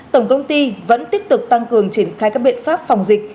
tổng công ty vẫn tiếp tục tăng cường triển khai các biện pháp phòng dịch